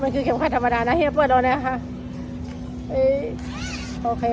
มันคือเข็มขัดธรรมดานะเฮียเปิดเอาหน่อยนะคะเอ้ยโอเค